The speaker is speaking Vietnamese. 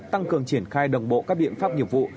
tăng cường triển khai đồng bộ các biện pháp nghiệp vụ